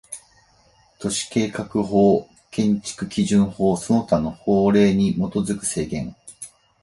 都市計画法、建築基準法その他の法令に基づく制限